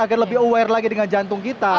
agar lebih aware lagi dengan jantung kita